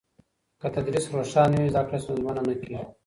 که تدریس روښانه وي، زده کړه ستونزمنه نه کېږي.